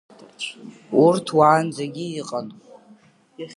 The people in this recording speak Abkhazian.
Урҭ уаанӡагьы иҟан…